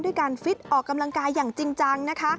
การฟิตออกกำลังกายอย่างจริงจังนะคะ